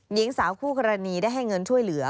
หญิงสาวคู่กรณีได้ให้เงินช่วยเหลือ